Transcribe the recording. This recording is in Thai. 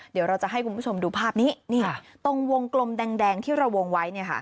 เดี๋ยวเราจะให้คุณผู้ชมดูภาพนี้ตรงวงกลมแดงที่เราวงไว้